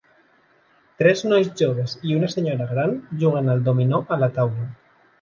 Tres nois joves i una senyora gran juguen al dominó a la taula.